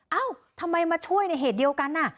เอ้าทำไมมาช่วยในเหตุเดียวกัน